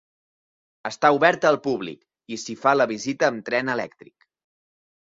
Està oberta al públic, i s'hi fa la visita amb tren elèctric.